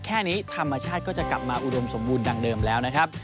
แค่นี้ธรรมชาติก็จะกลับมาอุดมสมบูรณดังเดิมแล้วนะครับ